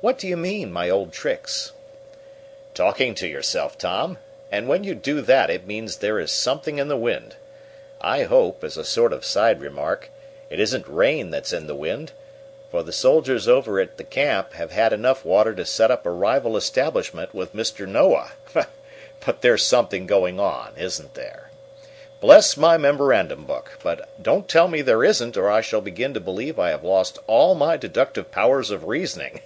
"What do you mean my old tricks?" "Talking to yourself, Tom. And when you do that it means there is something in the wind. I hope, as a sort of side remark, it isn't rain that's in the wind, for the soldiers over at camp have had enough water to set up a rival establishment with Mr. Noah. But there's something going on, isn't there? Bless my memorandum book, but don't tell me there isn't, or I shall begin to believe I have lost all my deductive powers of reasoning!